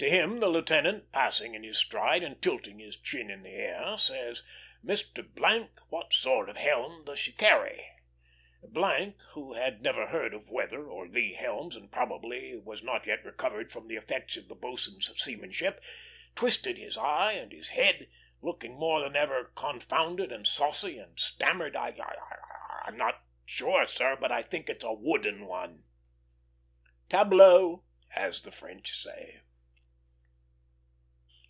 To him the lieutenant, pausing in his stride and tilting his chin in the air, says: "Mr. , what sort of helm does she carry?" , who had never heard of weather or lee helms, and probably was not yet recovered from the effects of the boatswain's seamanship, twisted his eye and his head, looking more than ever confounded and saucy, and stammered: "I I I'm not sure, sir, but I think it's a wooden one." Tableau! as the French say.